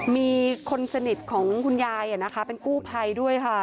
มีคนสนิทของคุณยายเนี่ยนะคะเป็นกู้ไพด้วยค่ะ